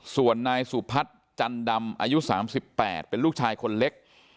ส่วนนายสุพัฒน์จันดำอายุ๓๘เป็นลูกชายคนเล็ก